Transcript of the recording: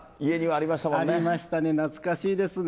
ありましたね、懐かしいですね。